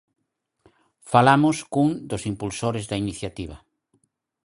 Falamos cun dos impulsores da iniciativa.